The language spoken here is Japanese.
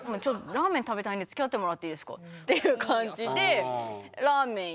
ラーメン食べたいんでつきあってもらっていいですかっていう感じで同じルートを。